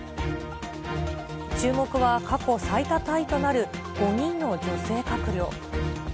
注目は過去最多タイとなる５人の女性閣僚。